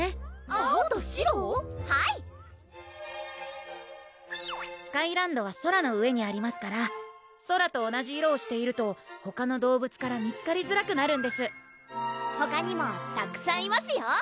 青と白⁉はいスカイランドは空の上にありますから空と同じ色をしているとほかの動物から見つかりづらくなるんですほかにもたくさんいますよ